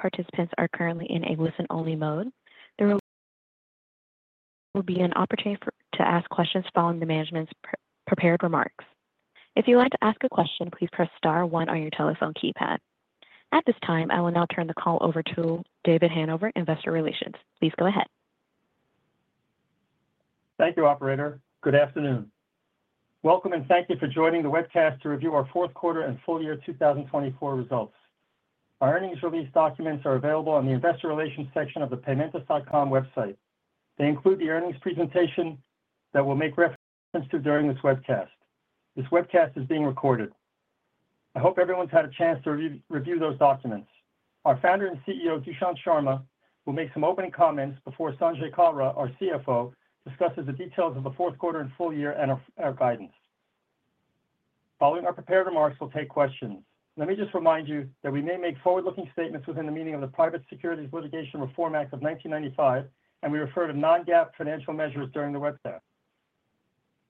Participants are currently in a listen-only mode. There will be an opportunity to ask questions following the management's prepared remarks. If you'd like to ask a question, please press star one on your telephone keypad. At this time, I will now turn the call over to David Hanover, Investor Relations. Please go ahead. Thank you, Operator. Good afternoon. Welcome, and thank you for joining the webcast to review our fourth quarter and full year 2024 results. Our earnings release documents are available on the Investor Relations section of the paymentus.com website. They include the earnings presentation that we'll make reference to during this webcast. This webcast is being recorded. I hope everyone's had a chance to review those documents. Our Founder and CEO, Dushyant Sharma, will make some opening comments before Sanjay Kalra, our CFO, discusses the details of the fourth quarter and full year and our guidance. Following our prepared remarks, we'll take questions. Let me just remind you that we may make forward-looking statements within the meaning of the Private Securities Litigation Reform Act of 1995, and we refer to non-GAAP financial measures during the webcast.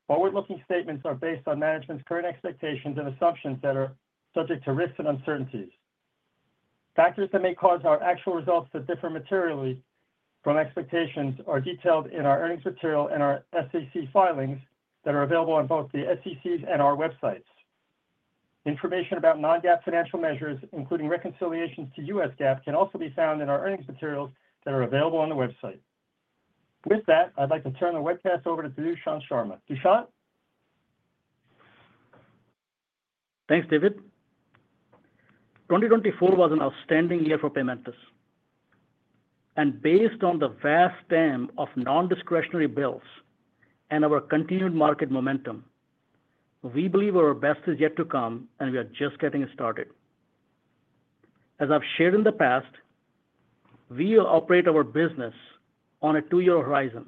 Forward-looking statements are based on management's current expectations and assumptions that are subject to risks and uncertainties. Factors that may cause our actual results to differ materially from expectations are detailed in our earnings material and our SEC filings that are available on both the SEC's and our websites. Information about non-GAAP financial measures, including reconciliations to US GAAP, can also be found in our earnings materials that are available on the website. With that, I'd like to turn the webcast over to Dushyant Sharma. Dushyant? Thanks, David. 2024 was an outstanding year for Paymentus. Based on the vast span of non-discretionary bills and our continued market momentum, we believe our best is yet to come, and we are just getting started. As I've shared in the past, we operate our business on a two-year horizon,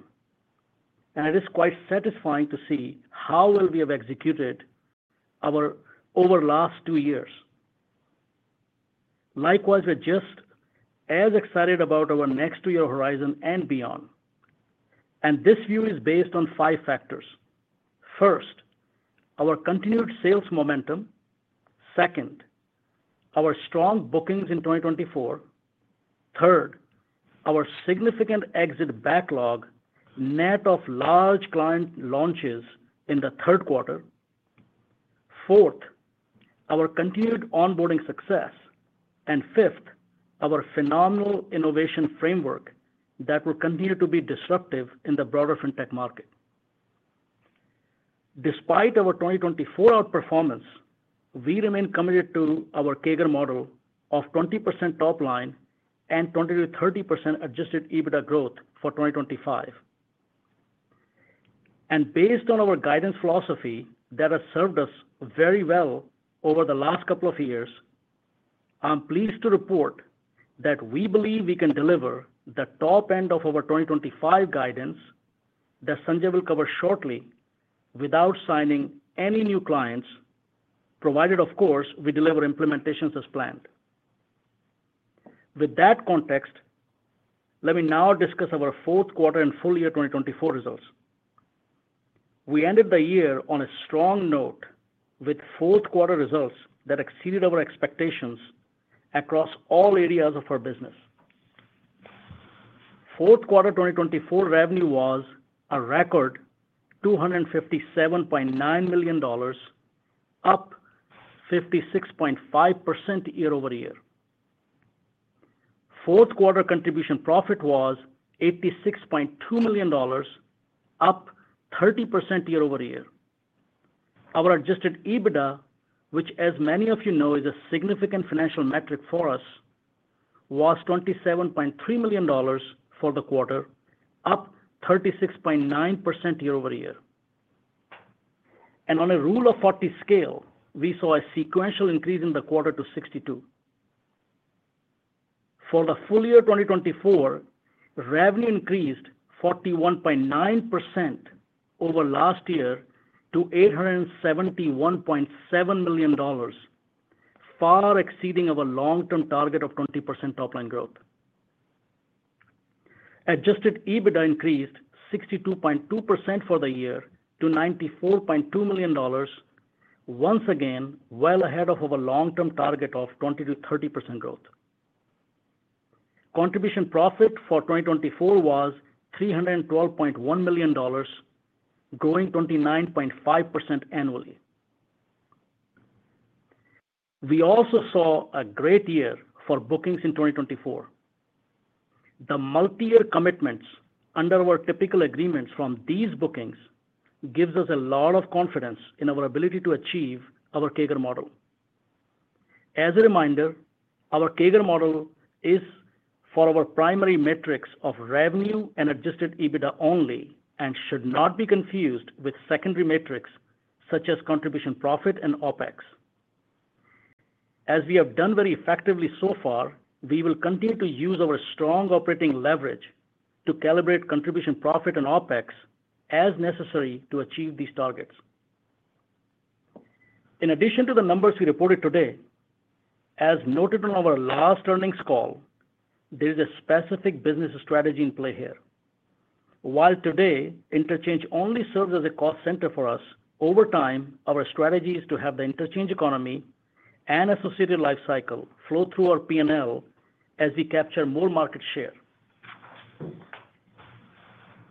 and it is quite satisfying to see how well we have executed over the last two years. Likewise, we're just as excited about our next two-year horizon and beyond. This view is based on five factors. First, our continued sales momentum. Second, our strong bookings in 2024. Third, our significant exit backlog net of large client launches in the third quarter. Fourth, our continued onboarding success. Fifth, our phenomenal innovation framework that will continue to be disruptive in the broader fintech market. Despite our 2024 outperformance, we remain committed to our CAGR model of 20% top line and 20%-30% Adjusted EBITDA growth for 2025. Based on our guidance philosophy that has served us very well over the last couple of years, I'm pleased to report that we believe we can deliver the top end of our 2025 guidance that Sanjay will cover shortly without signing any new clients, provided, of course, we deliver implementations as planned. With that context, let me now discuss our fourth quarter and full year 2024 results. We ended the year on a strong note with fourth quarter results that exceeded our expectations across all areas of our business. Fourth quarter 2024 revenue was a record $257.9 million, up 56.5% year-over-year. Fourth quarter contribution profit was $86.2 million, up 30% year-over-year. Our Adjusted EBITDA, which, as many of you know, is a significant financial metric for us, was $27.3 million for the quarter, up 36.9% year-over-year. On a Rule of 40 scale, we saw a sequential increase in the quarter to 62. For the full year 2024, revenue increased 41.9% over last year to $871.7 million, far exceeding our long-term target of 20% top line growth. Adjusted EBITDA increased 62.2% for the year to $94.2 million, once again well ahead of our long-term target of 20%-30% growth. Contribution profit for 2024 was $312.1 million, growing 29.5% annually. We also saw a great year for bookings in 2024. The multi-year commitments under our typical agreements from these bookings gives us a lot of confidence in our ability to achieve our CAGR model. As a reminder, our CAGR model is for our primary metrics of revenue and Adjusted EBITDA only and should not be confused with secondary metrics such as contribution profit and OPEX. As we have done very effectively so far, we will continue to use our strong operating leverage to calibrate contribution profit and OPEX as necessary to achieve these targets. In addition to the numbers we reported today, as noted on our last earnings call, there is a specific business strategy in play here. While today interchange only serves as a cost center for us, over time, our strategy is to have the interchange economy and associated life cycle flow through our P&L as we capture more market share.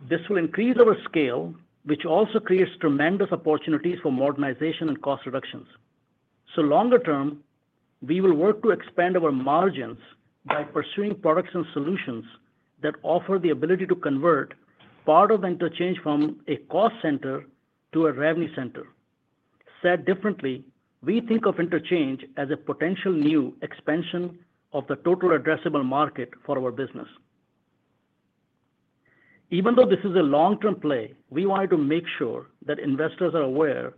This will increase our scale, which also creates tremendous opportunities for modernization and cost reductions. Longer term, we will work to expand our margins by pursuing products and solutions that offer the ability to convert part of the interchange from a cost center to a revenue center. Said differently, we think of interchange as a potential new expansion of the total addressable market for our business. Even though this is a long-term play, we wanted to make sure that investors are aware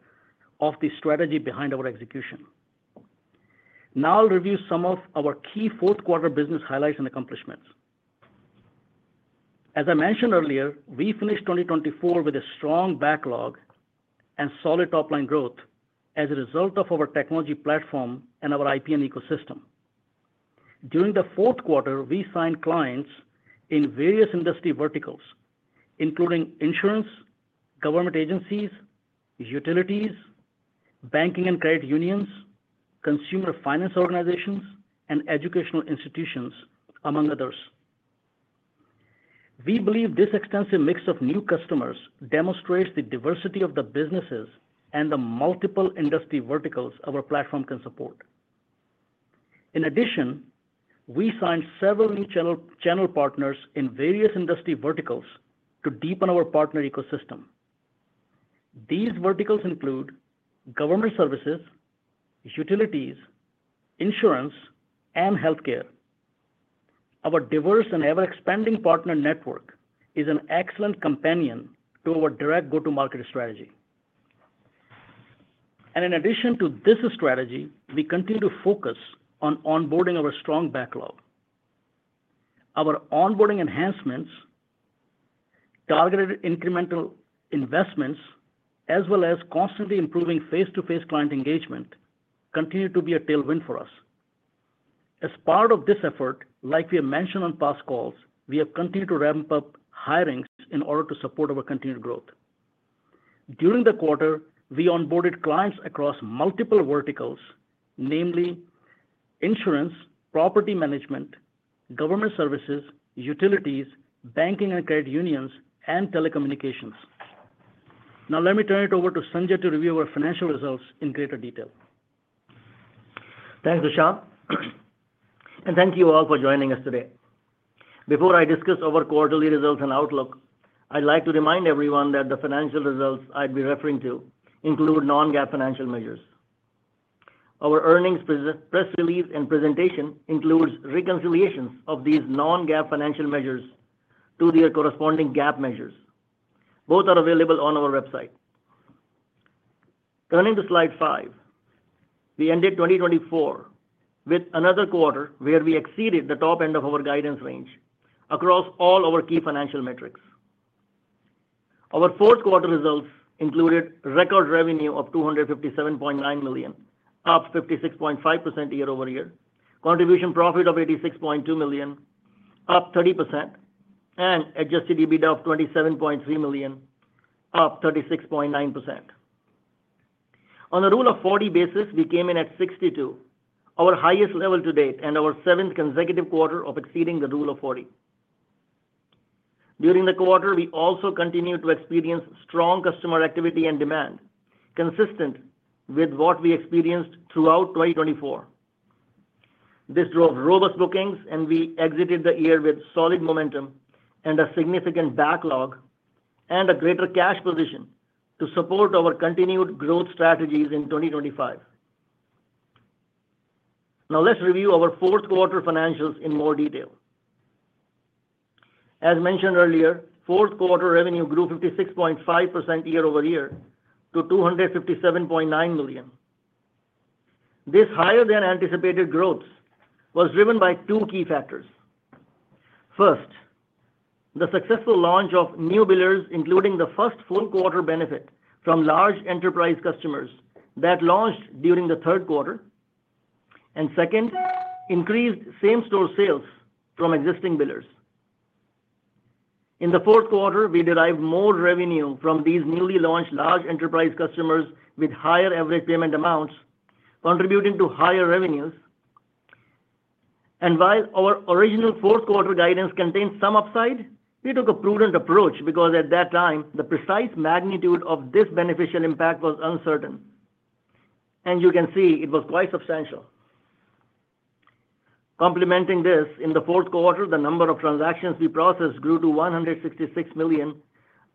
of the strategy behind our execution. Now I'll review some of our key fourth quarter business highlights and accomplishments. As I mentioned earlier, we finished 2024 with a strong backlog and solid top line growth as a result of our technology platform and our IP and ecosystem. During the fourth quarter, we signed clients in various industry verticals, including insurance, government agencies, utilities, banking and credit unions, consumer finance organizations, and educational institutions, among others. We believe this extensive mix of new customers demonstrates the diversity of the businesses and the multiple industry verticals our platform can support. In addition, we signed several new channel partners in various industry verticals to deepen our partner ecosystem. These verticals include government services, utilities, insurance, and healthcare. Our diverse and ever-expanding partner network is an excellent companion to our direct go-to-market strategy. In addition to this strategy, we continue to focus on onboarding our strong backlog. Our onboarding enhancements, targeted incremental investments, as well as constantly improving face-to-face client engagement, continue to be a tailwind for us. As part of this effort, like we have mentioned on past calls, we have continued to ramp up hirings in order to support our continued growth. During the quarter, we onboarded clients across multiple verticals, namely insurance, property management, government services, utilities, banking and credit unions, and telecommunications. Now let me turn it over to Sanjay to review our financial results in greater detail. Thanks, Dushyant. Thank you all for joining us today. Before I discuss our quarterly results and outlook, I'd like to remind everyone that the financial results I'd be referring to include non-GAAP financial measures. Our earnings press release and presentation includes reconciliations of these non-GAAP financial measures to their corresponding GAAP measures. Both are available on our website. Turning to slide five, we ended 2024 with another quarter where we exceeded the top end of our guidance range across all our key financial metrics. Our fourth quarter results included record revenue of $257.9 million, up 56.5% year-over-year, contribution profit of $86.2 million, up 30%, and Adjusted EBITDA of $27.3 million, up 36.9%. On a Rule of 40 basis, we came in at 62, our highest level to date, and our seventh consecutive quarter of exceeding the Rule of 40. During the quarter, we also continued to experience strong customer activity and demand, consistent with what we experienced throughout 2024. This drove robust bookings, and we exited the year with solid momentum and a significant backlog and a greater cash position to support our continued growth strategies in 2025. Now let's review our fourth quarter financials in more detail. As mentioned earlier, fourth quarter revenue grew 56.5% year-over-year to $257.9 million. This higher-than-anticipated growth was driven by two key factors. First, the successful launch of new billers, including the first full quarter benefit from large enterprise customers that launched during the third quarter. Second, increased same-store sales from existing billers. In the fourth quarter, we derived more revenue from these newly launched large enterprise customers with higher average payment amounts, contributing to higher revenues. While our original fourth quarter guidance contained some upside, we took a prudent approach because at that time, the precise magnitude of this beneficial impact was uncertain. You can see it was quite substantial. Complementing this, in the fourth quarter, the number of transactions we processed grew to $166 million,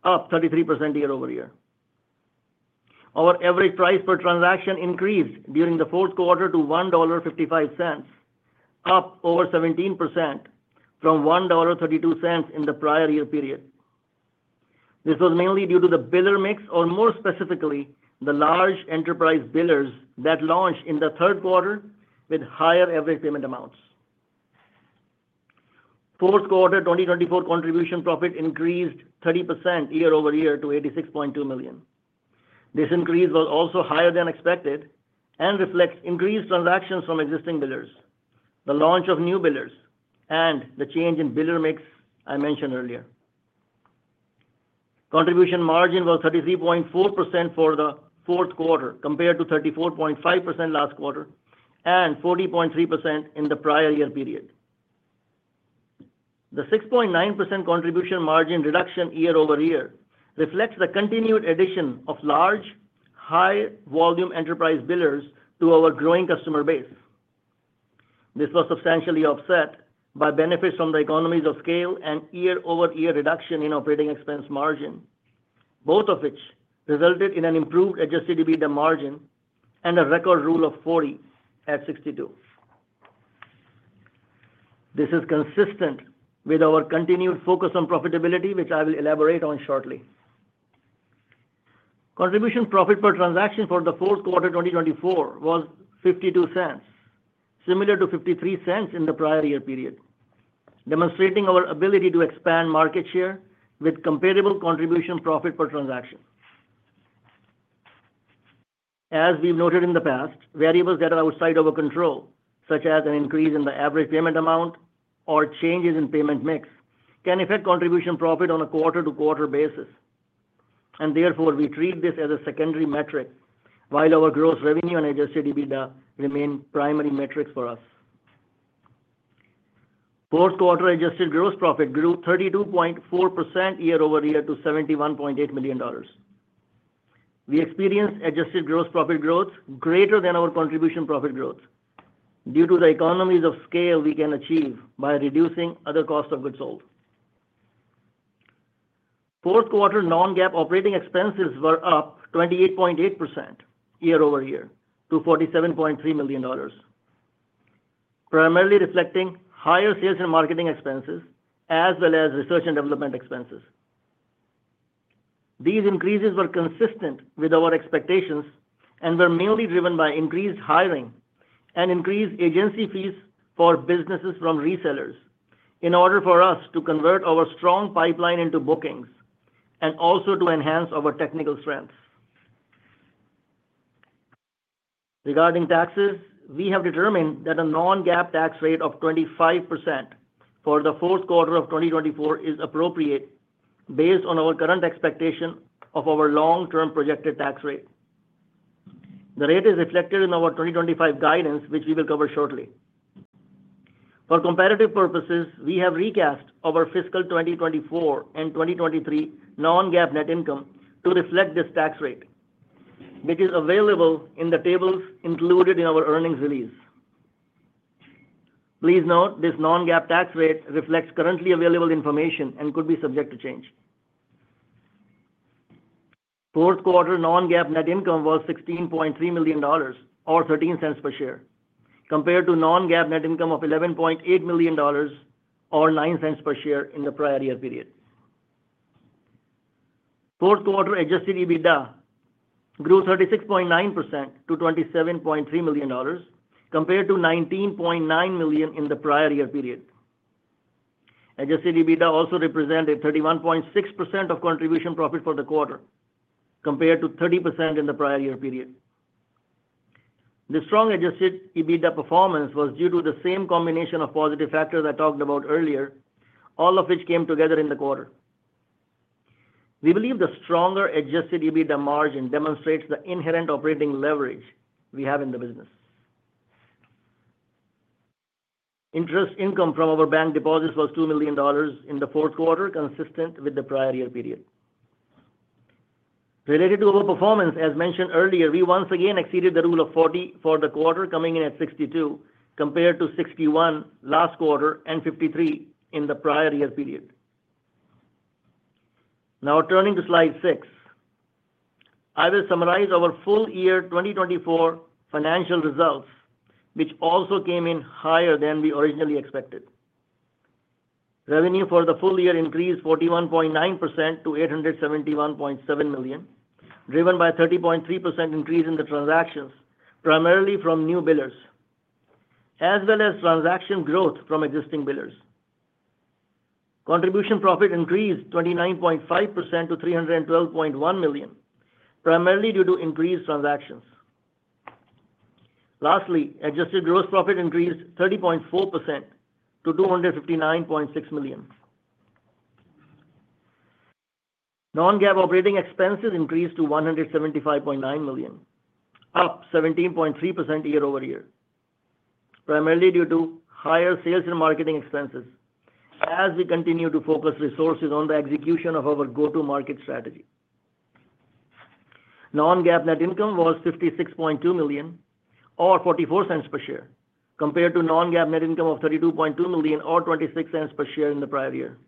up 33% year-over-year. Our average price per transaction increased during the fourth quarter to $1.55, up over 17% from $1.32 in the prior year period. This was mainly due to the biller mix, or more specifically, the large enterprise billers that launched in the third quarter with higher average payment amounts. Fourth quarter 2024 contribution profit increased 30% year-over-year to $86.2 million. This increase was also higher than expected and reflects increased transactions from existing billers, the launch of new billers, and the change in biller mix I mentioned earlier. Contribution margin was 33.4% for the fourth quarter compared to 34.5% last quarter and 40.3% in the prior year period. The 6.9% contribution margin reduction year-over-year reflects the continued addition of large, high-volume enterprise billers to our growing customer base. This was substantially offset by benefits from the economies of scale and year-over-year reduction in operating expense margin, both of which resulted in an improved Adjusted EBITDA margin and a record Rule of 40 at 62. This is consistent with our continued focus on profitability, which I will elaborate on shortly. Contribution profit per transaction for the fourth quarter 2024 was $0.52, similar to $0.53 in the prior year period, demonstrating our ability to expand market share with comparable contribution profit per transaction. As we've noted in the past, variables that are outside of our control, such as an increase in the average payment amount or changes in payment mix, can affect contribution profit on a quarter-to-quarter basis. Therefore, we treat this as a secondary metric, while our gross revenue and Adjusted EBITDA remain primary metrics for us. Fourth quarter adjusted gross profit grew 32.4% year-over-year to $71.8 million. We experienced adjusted gross profit growth greater than our contribution profit growth due to the economies of scale we can achieve by reducing other cost of goods sold. Fourth quarter non-GAAP operating expenses were up 28.8% year-over-year to $47.3 million, primarily reflecting higher sales and marketing expenses as well as research and development expenses. These increases were consistent with our expectations and were mainly driven by increased hiring and increased agency fees for businesses from resellers in order for us to convert our strong pipeline into bookings and also to enhance our technical strength. Regarding taxes, we have determined that a non-GAAP tax rate of 25% for the fourth quarter of 2024 is appropriate based on our current expectation of our long-term projected tax rate. The rate is reflected in our 2025 guidance, which we will cover shortly. For comparative purposes, we have recast our fiscal 2024 and 2023 non-GAAP net income to reflect this tax rate, which is available in the tables included in our earnings release. Please note this non-GAAP tax rate reflects currently available information and could be subject to change. Fourth quarter non-GAAP net income was $16.3 million or $0.13 per share, compared to non-GAAP net income of $11.8 million or $0.09 per share in the prior year period. Fourth quarter Adjusted EBITDA grew 36.9% to $27.3 million, compared to $19.9 million in the prior year period. Adjusted EBITDA also represented 31.6% of contribution profit for the quarter, compared to 30% in the prior year period. The strong Adjusted EBITDA performance was due to the same combination of positive factors I talked about earlier, all of which came together in the quarter. We believe the stronger Adjusted EBITDA margin demonstrates the inherent operating leverage we have in the business. Interest income from our bank deposits was $2 million in the fourth quarter, consistent with the prior year period. Related to our performance, as mentioned earlier, we once again exceeded the Rule of 40 for the quarter, coming in at 62, compared to 61 last quarter and 53 in the prior year period. Now turning to slide six, I will summarize our full year 2024 financial results, which also came in higher than we originally expected. Revenue for the full year increased 41.9% to $871.7 million, driven by a 30.3% increase in the transactions, primarily from new billers, as well as transaction growth from existing billers. Contribution profit increased 29.5% to $312.1 million, primarily due to increased transactions. Lastly, adjusted gross profit increased 30.4% to $259.6 million. Non-GAAP operating expenses increased to $175.9 million, up 17.3% year-over-year, primarily due to higher sales and marketing expenses, as we continue to focus resources on the execution of our go-to-market strategy. Non-GAAP net income was $56.2 million or $0.44 per share, compared to non-GAAP net income of $32.2 million or $0.26 per share in the prior year.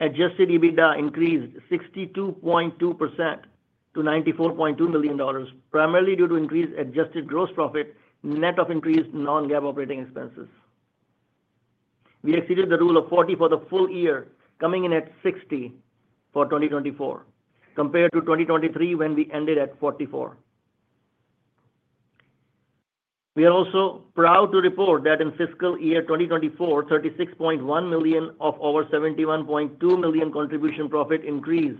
Adjusted EBITDA increased 62.2% to $94.2 million, primarily due to increased adjusted gross profit net of increased non-GAAP operating expenses. We exceeded the Rule of 40 for the full year, coming in at 60 for 2024, compared to 2023 when we ended at 44. We are also proud to report that in fiscal year 2024, $36.1 million of our $71.2 million contribution profit increase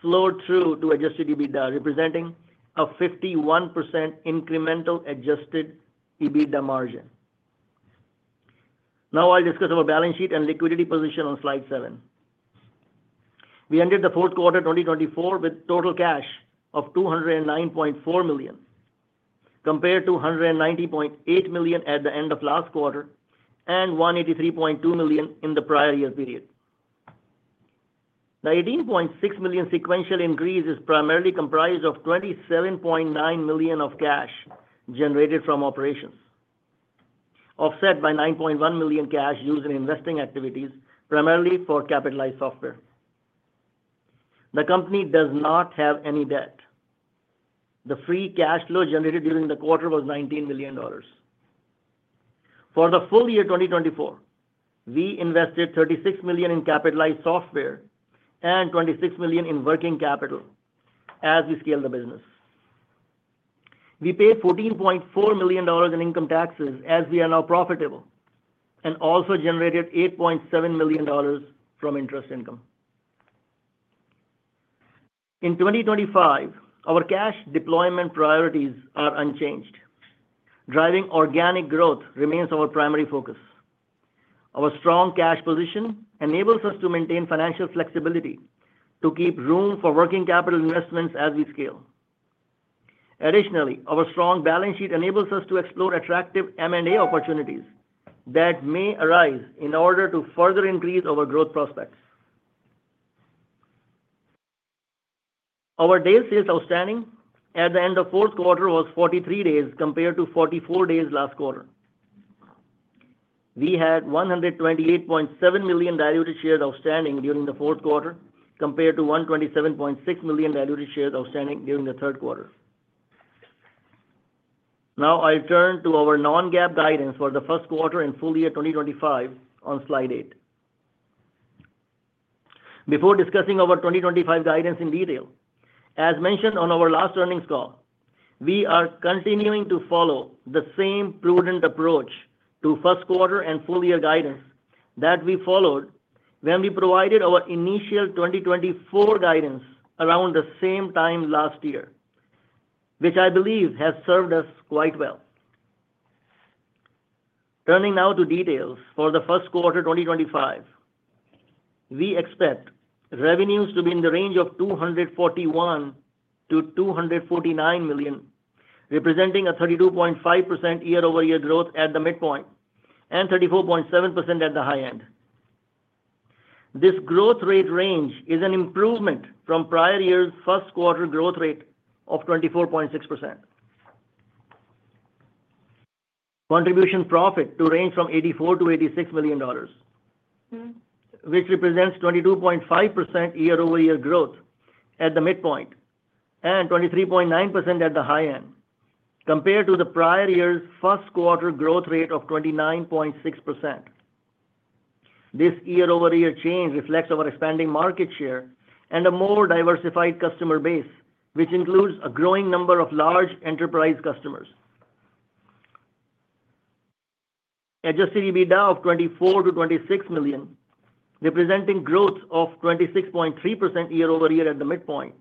flowed through to Adjusted EBITDA, representing a 51% incremental Adjusted EBITDA margin. Now I'll discuss our balance sheet and liquidity position on slide seven. We ended the fourth quarter 2024 with total cash of $209.4 million, compared to $190.8 million at the end of last quarter and $183.2 million in the prior year period. The $18.6 million sequential increase is primarily comprised of $27.9 million of cash generated from operations, offset by $9.1 million cash used in investing activities, primarily for capitalized software. The company does not have any debt. The free cash flow generated during the quarter was $19 million. For the full year 2024, we invested $36 million in capitalized software and $26 million in working capital as we scale the business. We paid $14.4 million in income taxes as we are now profitable and also generated $8.7 million from interest income. In 2025, our cash deployment priorities are unchanged. Driving organic growth remains our primary focus. Our strong cash position enables us to maintain financial flexibility to keep room for working capital investments as we scale. Additionally, our strong balance sheet enables us to explore attractive M&A opportunities that may arise in order to further increase our growth prospects. Our days sales outstanding at the end of fourth quarter was 43 days compared to 44 days last quarter. We had $128.7 million diluted shares outstanding during the fourth quarter compared to $127.6 million diluted shares outstanding during the third quarter. Now I'll turn to our non-GAAP guidance for the first quarter and full year 2025 on slide eight. Before discussing our 2025 guidance in detail, as mentioned on our last earnings call, we are continuing to follow the same prudent approach to first quarter and full year guidance that we followed when we provided our initial 2024 guidance around the same time last year, which I believe has served us quite well. Turning now to details for the first quarter 2025, we expect revenues to be in the range of $241 million-$249 million, representing a 32.5% year-over-year growth at the midpoint and 34.7% at the high end. This growth rate range is an improvement from prior year's first quarter growth rate of 24.6%. Contribution profit to range from $84 million-$86 million, which represents 22.5% year-over-year growth at the midpoint and 23.9% at the high end compared to the prior year's first quarter growth rate of 29.6%. This year-over-year change reflects our expanding market share and a more diversified customer base, which includes a growing number of large enterprise customers. Adjusted EBITDA of $24 million-$26 million, representing growth of 26.3% year-over-year at the midpoint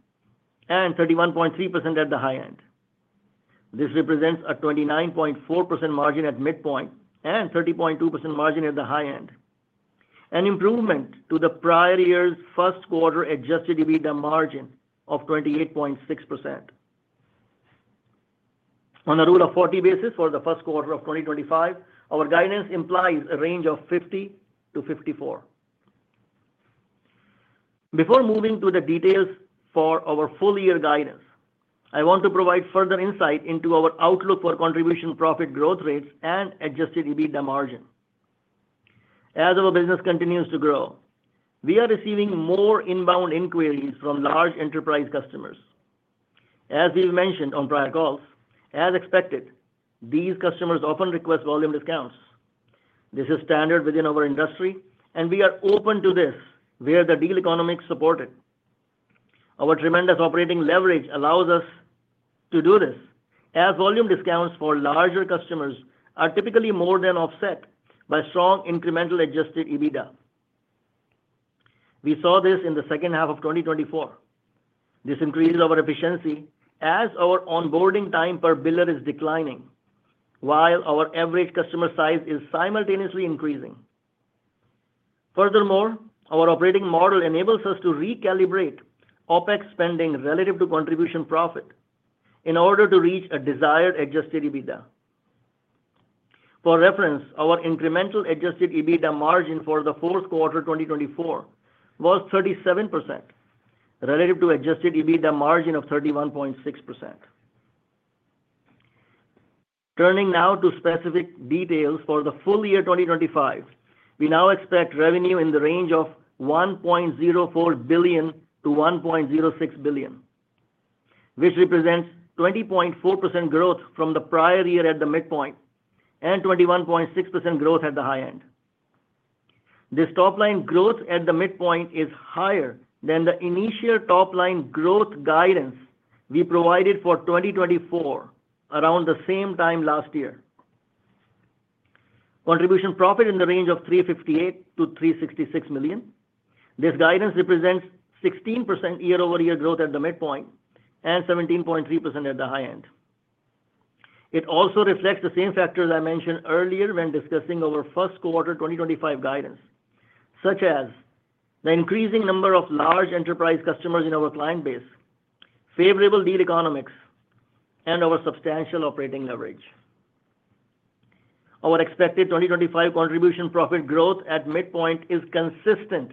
and 31.3% at the high end. This represents a 29.4% margin at midpoint and 30.2% margin at the high end, an improvement to the prior year's first quarter Adjusted EBITDA margin of 28.6%. On a Rule of 40 basis for the first quarter of 2025, our guidance implies a range of $50-$54. Before moving to the details for our full year guidance, I want to provide further insight into our outlook for contribution profit growth rates and Adjusted EBITDA margin. As our business continues to grow, we are receiving more inbound inquiries from large enterprise customers. As we've mentioned on prior calls, as expected, these customers often request volume discounts. This is standard within our industry, and we are open to this where the deal economy is supported. Our tremendous operating leverage allows us to do this, as volume discounts for larger customers are typically more than offset by strong incremental Adjusted EBITDA. We saw this in the second half of 2024. This increases our efficiency as our onboarding time per biller is declining, while our average customer size is simultaneously increasing. Furthermore, our operating model enables us to recalibrate OPEX spending relative to contribution profit in order to reach a desired Adjusted EBITDA. For reference, our incremental Adjusted EBITDA margin for the fourth quarter 2024 was 37% relative to Adjusted EBITDA margin of 31.6%. Turning now to specific details for the full year 2025, we now expect revenue in the range of $1.04 billion-$1.06 billion, which represents 20.4% growth from the prior year at the midpoint and 21.6% growth at the high end. This top line growth at the midpoint is higher than the initial top line growth guidance we provided for 2024 around the same time last year. Contribution profit in the range of $358 million-$366 million. This guidance represents 16% year-over-year growth at the midpoint and 17.3% at the high end. It also reflects the same factors I mentioned earlier when discussing our first quarter 2025 guidance, such as the increasing number of large enterprise customers in our client base, favorable deal economics, and our substantial operating leverage. Our expected 2025 contribution profit growth at midpoint is consistent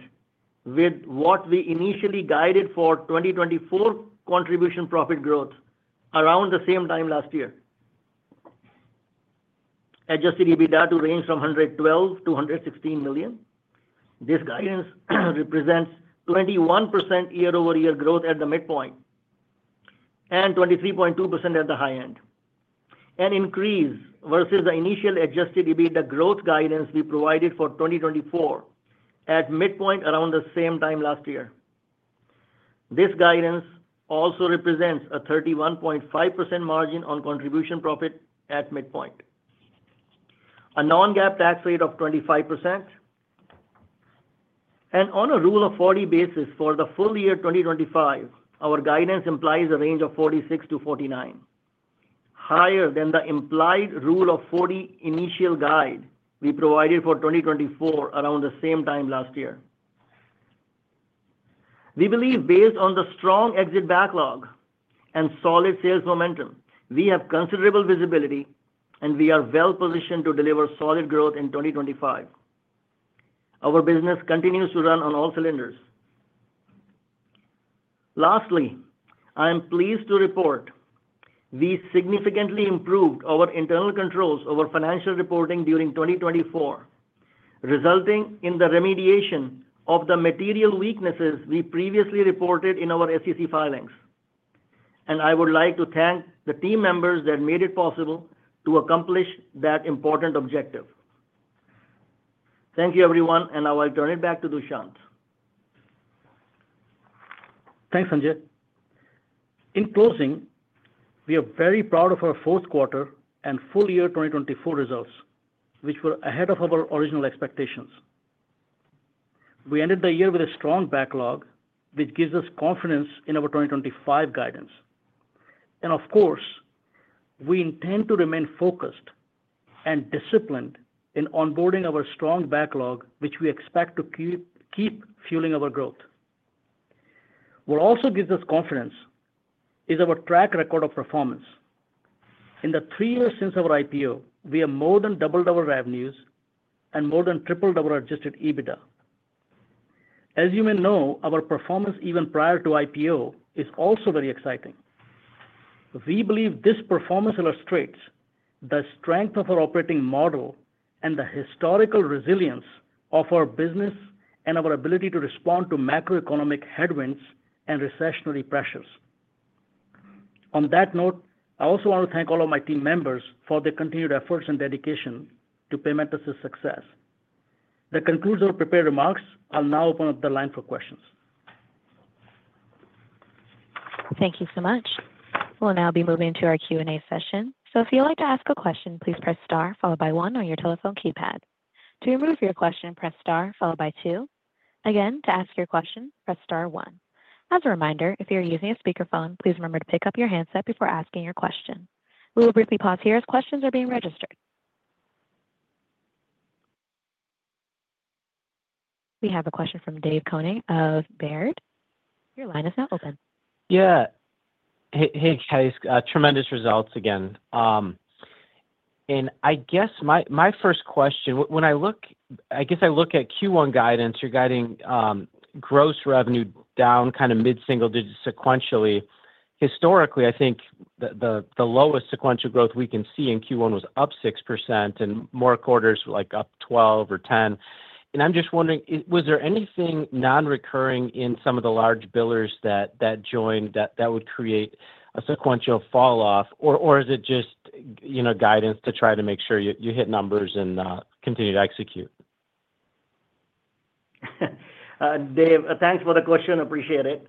with what we initially guided for 2024 contribution profit growth around the same time last year. Adjusted EBITDA to range from $112 million-$116 million. This guidance represents 21% year-over-year growth at the midpoint and 23.2% at the high end, an increase versus the initial Adjusted EBITDA growth guidance we provided for 2024 at midpoint around the same time last year. This guidance also represents a 31.5% margin on contribution profit at midpoint, a non-GAAP tax rate of 25%. On a Rule of 40 basis for the full year 2025, our guidance implies a range of $46-$49, higher than the implied Rule of 40 initial guide we provided for 2024 around the same time last year. We believe based on the strong exit backlog and solid sales momentum, we have considerable visibility, and we are well-positioned to deliver solid growth in 2025. Our business continues to run on all cylinders. Lastly, I am pleased to report we significantly improved our internal controls over financial reporting during 2024, resulting in the remediation of the material weaknesses we previously reported in our SEC filings. I would like to thank the team members that made it possible to accomplish that important objective. Thank you, everyone, and I will turn it back to Dushyant. Thanks, Sanjay. In closing, we are very proud of our fourth quarter and full year 2024 results, which were ahead of our original expectations. We ended the year with a strong backlog, which gives us confidence in our 2025 guidance. We intend to remain focused and disciplined in onboarding our strong backlog, which we expect to keep fueling our growth. What also gives us confidence is our track record of performance. In the three years since our IPO, we have more than doubled our revenues and more than tripled our Adjusted EBITDA. As you may know, our performance even prior to IPO is also very exciting. We believe this performance illustrates the strength of our operating model and the historical resilience of our business and our ability to respond to macroeconomic headwinds and recessionary pressures. On that note, I also want to thank all of my team members for their continued efforts and dedication to Paymentus' success. That concludes our prepared remarks. I'll now open up the line for questions. Thank you so much. We'll now be moving to our Q&A session. If you'd like to ask a question, please press star followed by one on your telephone keypad. To remove your question, press star followed by two. Again, to ask your question, press star one. As a reminder, if you're using a speakerphone, please remember to pick up your handset before asking your question. We will briefly pause here as questions are being registered. We have a question from David Koning of Baird. Your line is now open. Yeah. Hey, guys. Tremendous results again. I guess my first question, when I look, I guess I look at Q1 guidance, you're guiding gross revenue down kind of mid-single digits sequentially. Historically, I think the lowest sequential growth we can see in Q1 was up 6% and more quarters like up 12% or 10%. I'm just wondering, was there anything non-recurring in some of the large billers that joined that would create a sequential falloff, or is it just guidance to try to make sure you hit numbers and continue to execute? David, thanks for the question. Appreciate it.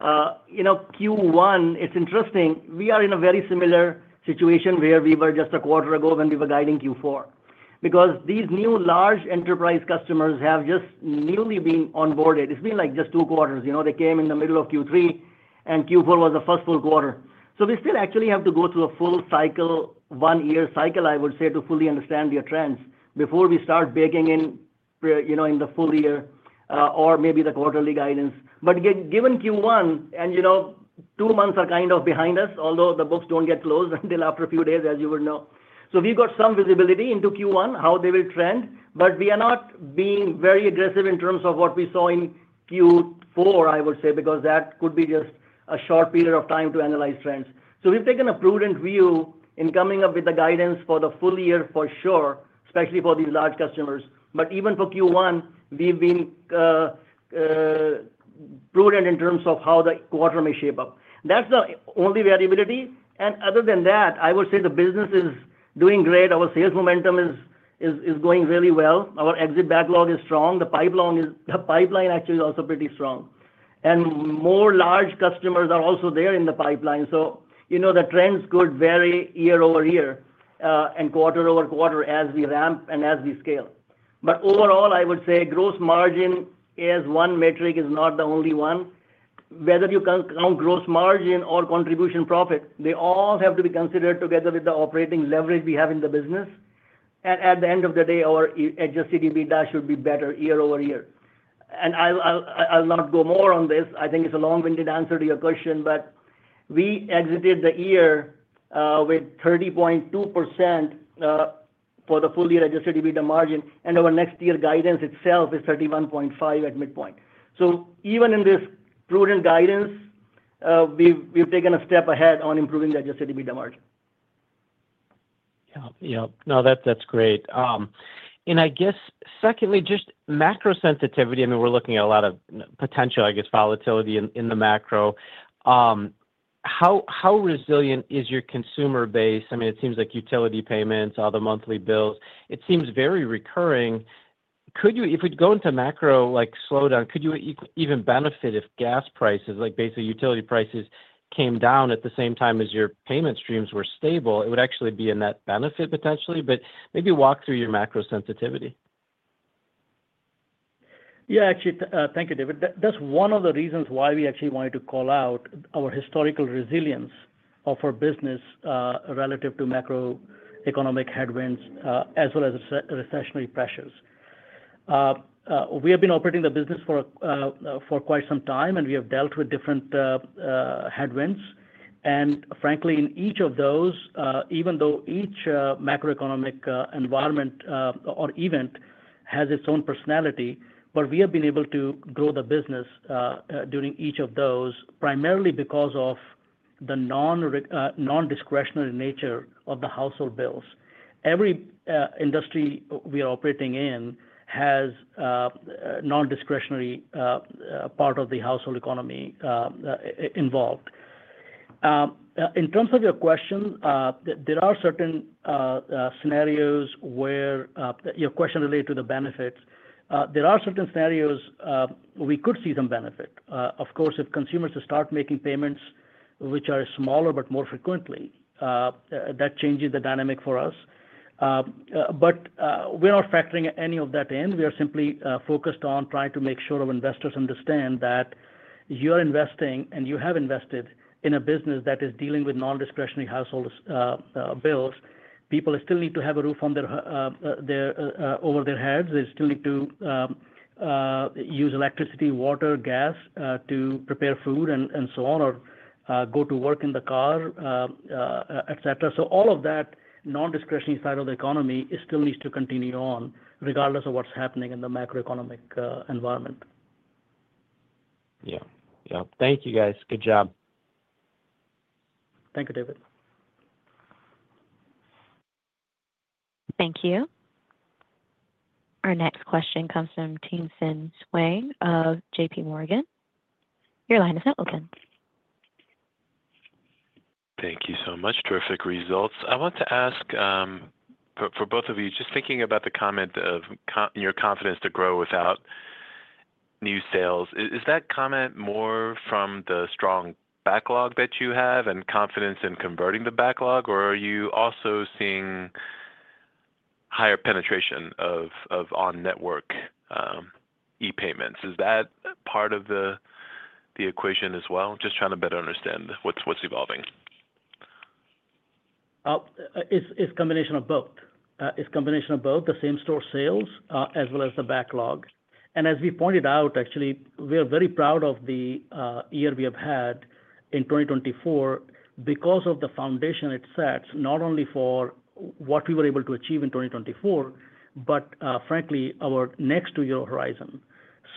Q1, it's interesting. We are in a very similar situation where we were just a quarter ago when we were guiding Q4 because these new large enterprise customers have just newly been onboarded. It's been like just two quarters. They came in the middle of Q3, and Q4 was the first full quarter. We still actually have to go through a full cycle, one-year cycle, I would say, to fully understand their trends before we start baking in the full year or maybe the quarterly guidance. Given Q1 and two months are kind of behind us, although the books do not get closed until after a few days, as you would know. We got some visibility into Q1, how they will trend, but we are not being very aggressive in terms of what we saw in Q4, I would say, because that could be just a short period of time to analyze trends. We have taken a prudent view in coming up with the guidance for the full year for sure, especially for these large customers. Even for Q1, we have been prudent in terms of how the quarter may shape up. That is the only variability. Other than that, I would say the business is doing great. Our sales momentum is going really well. Our exit backlog is strong. The pipeline actually is also pretty strong. More large customers are also there in the pipeline. The trends could vary year-over-year and quarter over quarter as we ramp and as we scale. Overall, I would say gross margin as one metric is not the only one. Whether you count gross margin or contribution profit, they all have to be considered together with the operating leverage we have in the business. At the end of the day, our Adjusted EBITDA should be better year-over-year. I'll not go more on this. I think it's a long-winded answer to your question, but we exited the year with 30.2% for the full year Adjusted EBITDA margin, and our next year guidance itself is 31.5% at midpoint. Even in this prudent guidance, we've taken a step ahead on improving the Adjusted EBITDA margin. Yeah. Yeah. No, that's great. I guess, secondly, just macro sensitivity. I mean, we're looking at a lot of potential, I guess, volatility in the macro. How resilient is your consumer base? I mean, it seems like utility payments, all the monthly bills. It seems very recurring. If we'd go into macro slowdown, could you even benefit if gas prices, like basically utility prices, came down at the same time as your payment streams were stable? It would actually be a net benefit potentially, but maybe walk through your macro sensitivity. Yeah. Actually, thank you, David. That's one of the reasons why we actually wanted to call out our historical resilience of our business relative to macroeconomic headwinds as well as recessionary pressures. We have been operating the business for quite some time, and we have dealt with different headwinds. Frankly, in each of those, even though each macroeconomic environment or event has its own personality, we have been able to grow the business during each of those primarily because of the non-discretionary nature of the household bills. Every industry we are operating in has a non-discretionary part of the household economy involved. In terms of your question, there are certain scenarios where your question related to the benefits. There are certain scenarios we could see some benefit. Of course, if consumers start making payments, which are smaller but more frequently, that changes the dynamic for us. We're not factoring any of that in. We are simply focused on trying to make sure our investors understand that you are investing and you have invested in a business that is dealing with non-discretionary household bills. People still need to have a roof over their heads. They still need to use electricity, water, gas to prepare food and so on, or go to work in the car, etc. All of that non-discretionary side of the economy still needs to continue on regardless of what's happening in the macroeconomic environment. Yeah. Yeah. Thank you, guys. Good job. Thank you, David. Thank you. Our next question comes from James Swain of JPMorgan. Your line is now open. Thank you so much. Terrific results. I want to ask for both of you, just thinking about the comment of your confidence to grow without new sales, is that comment more from the strong backlog that you have and confidence in converting the backlog, or are you also seeing higher penetration of on-network e-payments? Is that part of the equation as well? Just trying to better understand what's evolving. It's a combination of both. It's a combination of both, the same store sales as well as the backlog. As we pointed out, actually, we are very proud of the year we have had in 2024 because of the foundation it sets, not only for what we were able to achieve in 2024, but frankly, our next two-year horizon.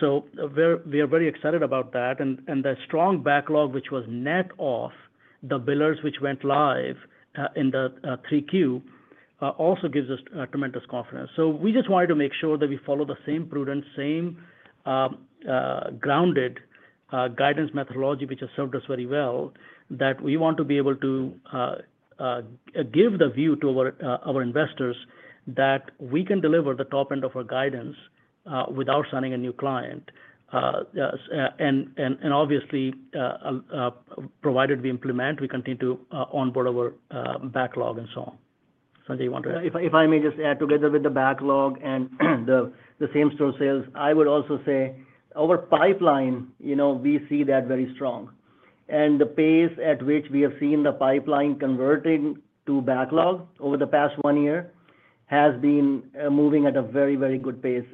We are very excited about that. The strong backlog, which was net off the billers which went live in the 3Q, also gives us tremendous confidence. We just wanted to make sure that we follow the same prudent, same grounded guidance methodology which has served us very well, that we want to be able to give the view to our investors that we can deliver the top end of our guidance without signing a new client. Obviously, provided we implement, we continue to onboard our backlog and so on. Sanjay, you want to add? If I may just add together with the backlog and the same store sales, I would also say our pipeline, we see that very strong. The pace at which we have seen the pipeline converting to backlog over the past one year has been moving at a very, very good pace.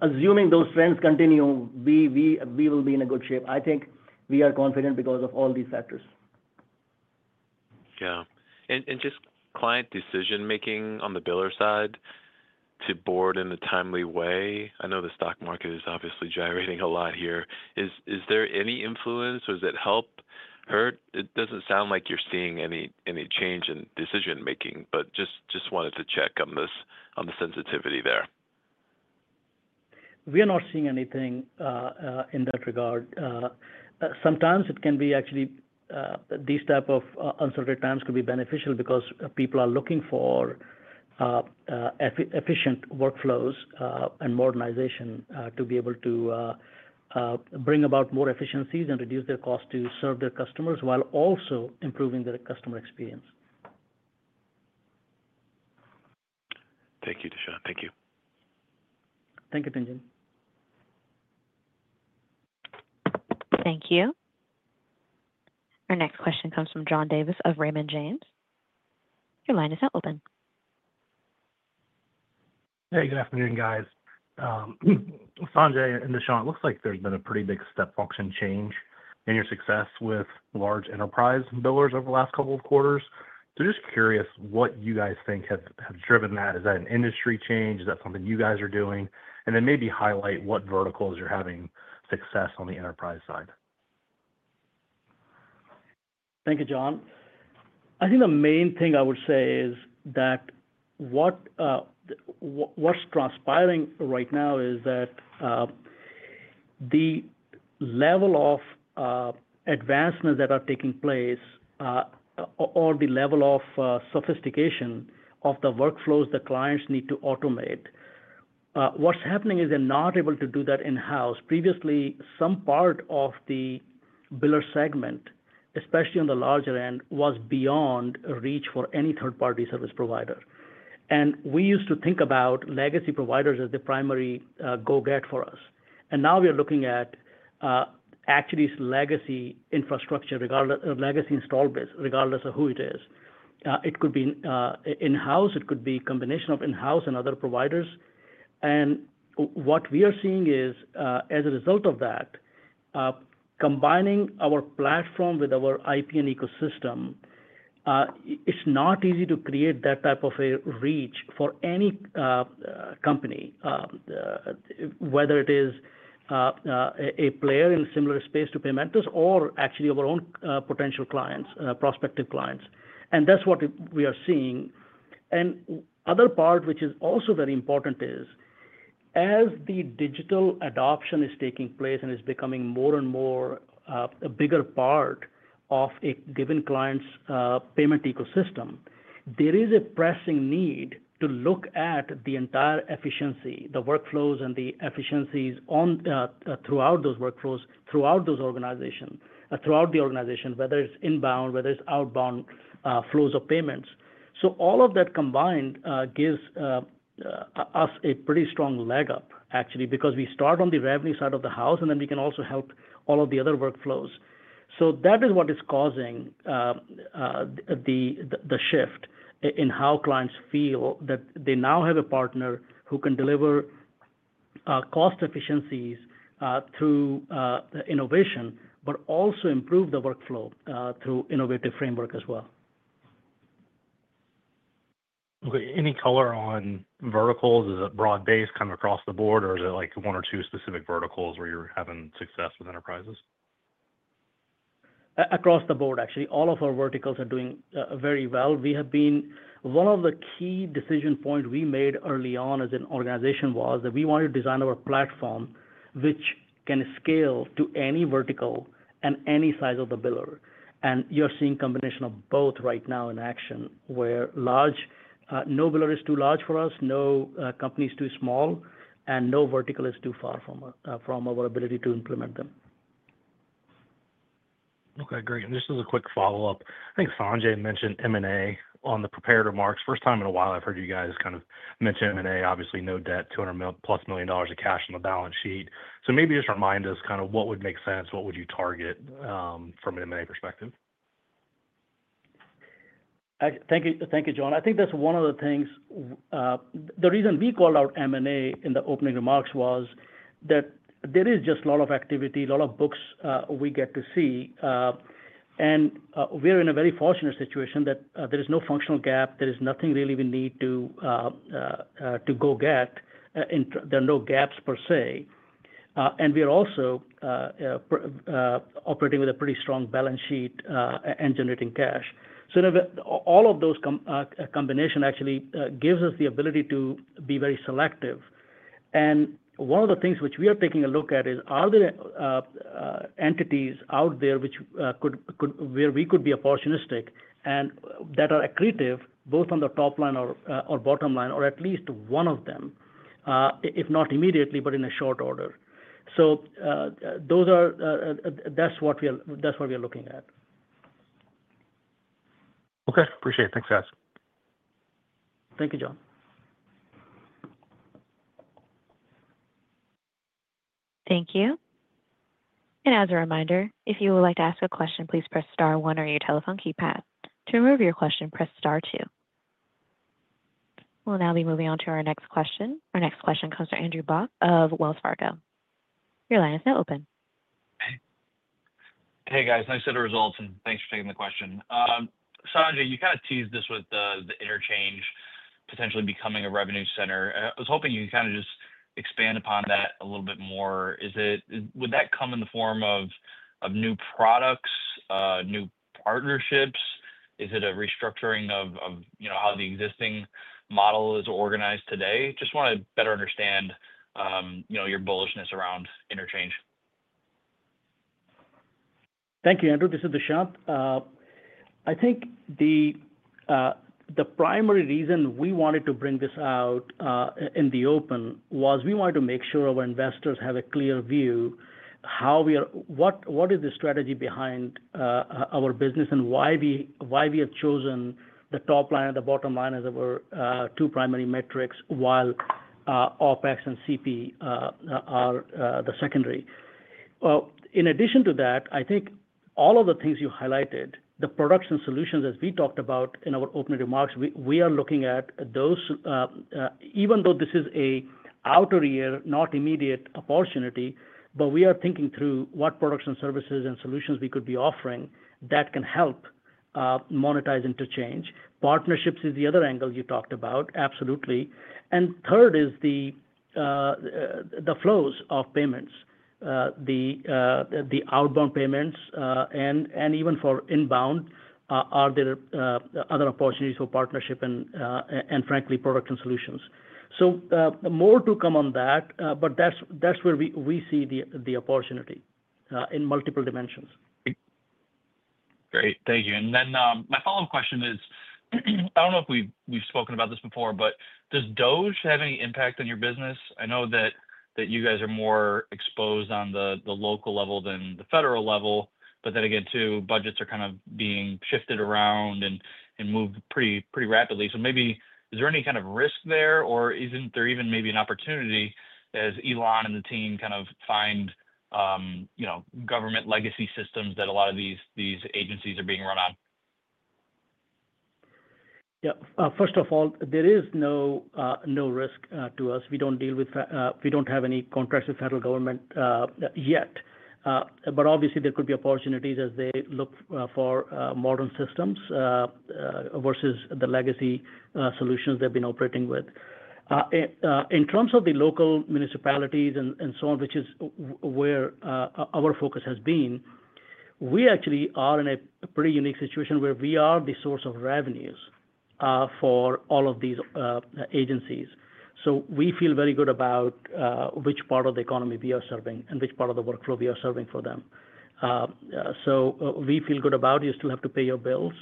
Assuming those trends continue, we will be in a good shape. I think we are confident because of all these factors. Yeah. Just client decision-making on the biller side to board in a timely way. I know the stock market is obviously gyrating a lot here. Is there any influence, or does it help, hurt? It doesn't sound like you're seeing any change in decision-making, but just wanted to check on the sensitivity there. We are not seeing anything in that regard. Sometimes it can be actually these types of uncertain times could be beneficial because people are looking for efficient workflows and modernization to be able to bring about more efficiencies and reduce their cost to serve their customers while also improving their customer experience. Thank you, Dushyant. Thank you. Thank you, James. Thank you. Our next question comes from John Davis of Raymond James. Your line is now open. Hey, good afternoon, guys. Sanjay and Dushyant, it looks like there's been a pretty big step function change in your success with large enterprise billers over the last couple of quarters. Just curious what you guys think have driven that. Is that an industry change? Is that something you guys are doing? Maybe highlight what verticals you're having success on the enterprise side. Thank you, John. I think the main thing I would say is that what's transpiring right now is that the level of advancement that are taking place or the level of sophistication of the workflows that clients need to automate, what's happening is they're not able to do that in-house. Previously, some part of the biller segment, especially on the larger end, was beyond reach for any third-party service provider. We used to think about legacy providers as the primary go-get for us. Now we are looking at actually legacy infrastructure, legacy install base, regardless of who it is. It could be in-house. It could be a combination of in-house and other providers. What we are seeing is, as a result of that, combining our platform with our IP and ecosystem, it is not easy to create that type of a reach for any company, whether it is a player in a similar space to Paymentus or actually our own potential clients, prospective clients. That is what we are seeing. The other part, which is also very important, is as the digital adoption is taking place and is becoming more and more a bigger part of a given client's payment ecosystem, there is a pressing need to look at the entire efficiency, the workflows and the efficiencies throughout those workflows, throughout those organizations, throughout the organization, whether it's inbound, whether it's outbound flows of payments. All of that combined gives us a pretty strong leg up, actually, because we start on the revenue side of the house, and then we can also help all of the other workflows. That is what is causing the shift in how clients feel that they now have a partner who can deliver cost efficiencies through innovation, but also improve the workflow through innovative framework as well. Okay. Any color on verticals? Is it broad-based kind of across the board, or is it like one or two specific verticals where you're having success with enterprises? Across the board, actually. All of our verticals are doing very well. One of the key decision points we made early on as an organization was that we wanted to design our platform, which can scale to any vertical and any size of the biller. And you're seeing a combination of both right now in action, where no biller is too large for us, no company is too small, and no vertical is too far from our ability to implement them. Okay. Great. Just as a quick follow-up, I think Sanjay mentioned M&A on the prepared remarks. First time in a while I've heard you guys kind of mention M&A. Obviously, no debt, $200 million-plus of cash on the balance sheet. Maybe just remind us kind of what would make sense, what would you target from an M&A perspective? Thank you, John. I think that's one of the things. The reason we called out M&A in the opening remarks was that there is just a lot of activity, a lot of books we get to see. We are in a very fortunate situation that there is no functional gap. There is nothing really we need to go get. There are no gaps per se. We are also operating with a pretty strong balance sheet and generating cash. All of those combinations actually give us the ability to be very selective. One of the things which we are taking a look at is, are there entities out there where we could be opportunistic and that are accretive both on the top line or bottom line, or at least one of them, if not immediately, but in a short order? That is what we are looking at. Okay. Appreciate it. Thanks, guys. Thank you, John. Thank you. As a reminder, if you would like to ask a question, please press star one on your telephone keypad. To remove your question, press star two. We will now be moving on to our next question. Our next question comes from Andrew Bauch of Wells Fargo. Your line is now open. Hey, guys. Nice to see the results, and thanks for taking the question. Sanjay, you kind of teased this with the interchange potentially becoming a revenue center. I was hoping you could kind of just expand upon that a little bit more. Would that come in the form of new products, new partnerships? Is it a restructuring of how the existing model is organized today? Just want to better understand your bullishness around interchange. Thank you, Andrew. This is Dushyant. I think the primary reason we wanted to bring this out in the open was we wanted to make sure our investors have a clear view of what is the strategy behind our business and why we have chosen the top line and the bottom line as our two primary metrics, while OPEX and CP are the secondary. In addition to that, I think all of the things you highlighted, the production solutions, as we talked about in our opening remarks, we are looking at those, even though this is an outer year, not immediate opportunity, but we are thinking through what production services and solutions we could be offering that can help monetize interchange. Partnerships is the other angle you talked about. Absolutely. Third is the flows of payments, the outbound payments, and even for inbound, are there other opportunities for partnership and, frankly, production solutions? More to come on that, but that's where we see the opportunity in multiple dimensions. Great. Thank you. My follow-up question is, I don't know if we've spoken about this before, but does DOGE have any impact on your business? I know that you guys are more exposed on the local level than the federal level, but then again, too, budgets are kind of being shifted around and moved pretty rapidly. Maybe, is there any kind of risk there, or isn't there even maybe an opportunity as Elon and the team kind of find government legacy systems that a lot of these agencies are being run on? Yeah. First of all, there is no risk to us. We do not deal with, we do not have any contracts with federal government yet. Obviously, there could be opportunities as they look for modern systems versus the legacy solutions they have been operating with. In terms of the local municipalities and so on, which is where our focus has been, we actually are in a pretty unique situation where we are the source of revenues for all of these agencies. We feel very good about which part of the economy we are serving and which part of the workflow we are serving for them. We feel good about you still have to pay your bills,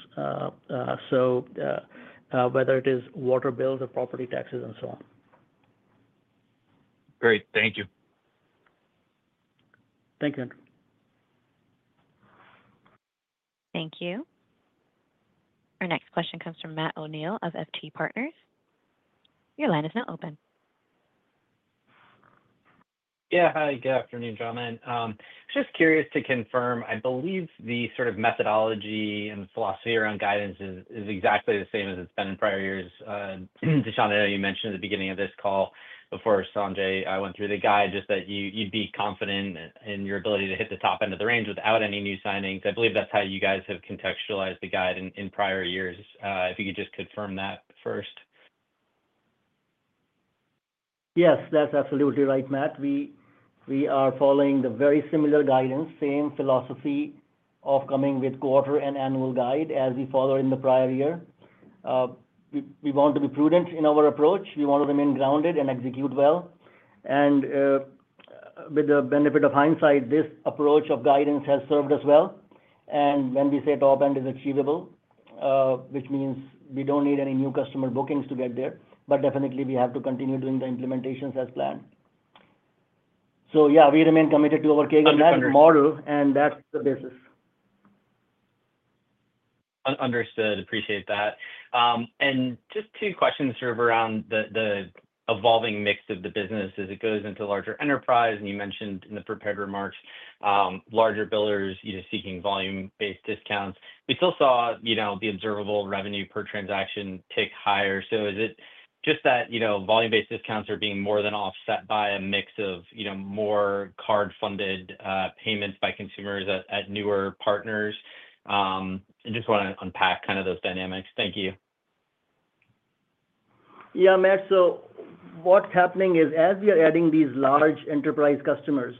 whether it is water bills or property taxes and so on. Great. Thank you. Thank you, Andrew. Thank you. Our next question comes from Matt O'Neill of FT Partners. Your line is now open. Yeah. Hi. Good afternoon, John. Just curious to confirm, I believe the sort of methodology and philosophy around guidance is exactly the same as it's been in prior years. Dushyant, I know you mentioned at the beginning of this call before Sanjay went through the guide just that you'd be confident in your ability to hit the top end of the range without any new signings. I believe that's how you guys have contextualized the guide in prior years. If you could just confirm that first. Yes, that's absolutely right, Matt. We are following the very similar guidance, same philosophy of coming with quarter and annual guide as we followed in the prior year. We want to be prudent in our approach. We want to remain grounded and execute well. With the benefit of hindsight, this approach of guidance has served us well. When we say top end is achievable, which means we don't need any new customer bookings to get there, but definitely we have to continue doing the implementations as planned. Yeah, we remain committed to our CAGR model and that's the basis. Understood. Appreciate that. Just two questions sort of around the evolving mix of the business as it goes into larger enterprise. You mentioned in the prepared remarks, larger billers seeking volume-based discounts. We still saw the observable revenue per transaction tick higher. Is it just that volume-based discounts are being more than offset by a mix of more card-funded payments by consumers at newer partners? I just want to unpack kind of those dynamics. Thank you. Yeah, Matt. What is happening is, as we are adding these large enterprise customers,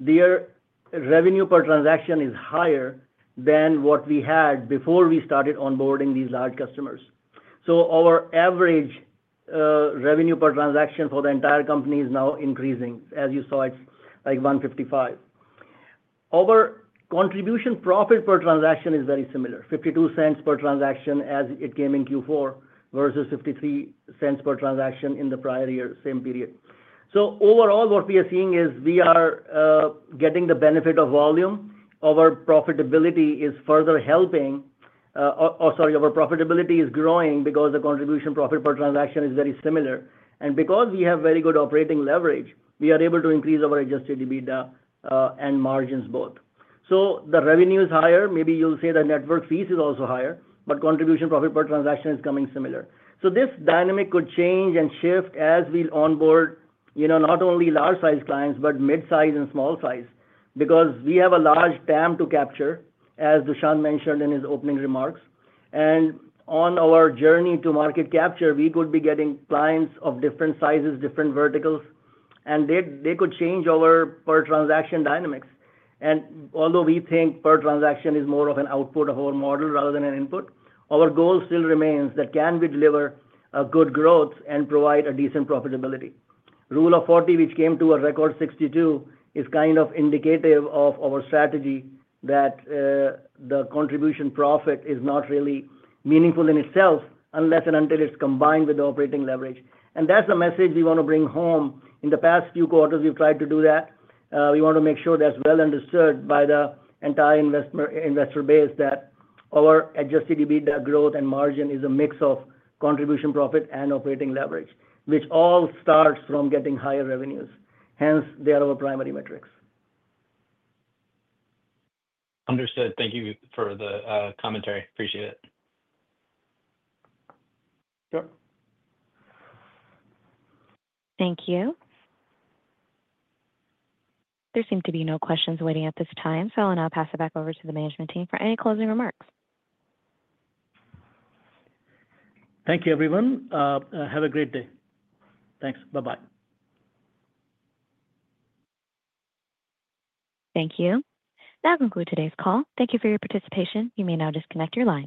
their revenue per transaction is higher than what we had before we started onboarding these large customers. Our average revenue per transaction for the entire company is now increasing. As you saw, it is like $1.55. Our contribution profit per transaction is very similar, $0.52 per transaction as it came in Q4 versus $0.53 per transaction in the prior year, same period. Overall, what we are seeing is we are getting the benefit of volume. Our profitability is further helping, or sorry, our profitability is growing because the contribution profit per transaction is very similar. Because we have very good operating leverage, we are able to increase our Adjusted EBITDA and margins both. The revenue is higher. Maybe you'll say the network fees is also higher, but contribution profit per transaction is coming similar. This dynamic could change and shift as we onboard not only large-sized clients, but mid-size and small-sized because we have a large TAM to capture, as Dushyant mentioned in his opening remarks. On our journey to market capture, we could be getting clients of different sizes, different verticals, and they could change our per-transaction dynamics. Although we think per-transaction is more of an output of our model rather than an input, our goal still remains that can we deliver good growth and provide a decent profitability. Rule of 40, which came to a record 62%, is kind of indicative of our strategy that the contribution profit is not really meaningful in itself unless and until it's combined with the operating leverage. That's the message we want to bring home. In the past few quarters, we've tried to do that. We want to make sure that's well understood by the entire investor base that our Adjusted EBITDA growth and margin is a mix of contribution profit and operating leverage, which all starts from getting higher revenues. Hence, they are our primary metrics. Understood. Thank you for the commentary. Appreciate it. Sure. Thank you. There seem to be no questions waiting at this time, so I'll now pass it back over to the management team for any closing remarks. Thank you, everyone. Have a great day. Thanks. Bye-bye. Thank you. That concludes today's call. Thank you for your participation. You may now disconnect your line.